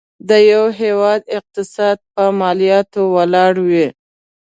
د یو هيواد اقتصاد په مالياتو ولاړ وي.